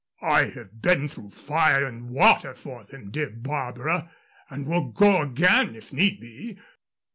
"I have been through fire and water for them, dear Barbara, and will go again if need be.